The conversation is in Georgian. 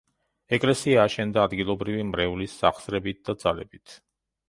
ეკლესია აშენდა ადგილობრივი მრევლის სახსრებით და ძალებით.